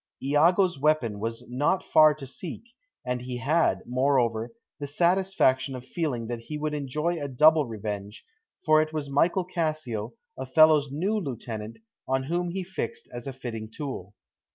Iago's weapon was not far to seek, and he had, moreover, the satisfaction of feeling that he would enjoy a double revenge, for it was Michael Cassio, Othello's new lieutenant, on whom he fixed as a fitting tool.